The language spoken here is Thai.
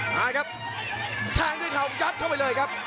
มาครับแทงด้วยเขายัดเข้าไปเลยครับ